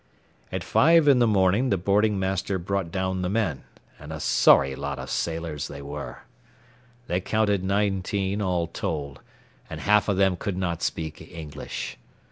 At five in the morning the boarding master brought down the men, and a sorry lot of sailors they were. They counted nineteen all told, and half of them could not speak English.